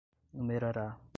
numerará